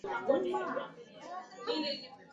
mtoto huyo anaonekana hapa akiwa amevimba sana mikono